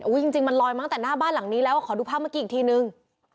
จริงมันลอยมาตั้งแต่หน้าบ้านหลังนี้แล้วขอดูภาพเมื่อกี้อีกทีนึง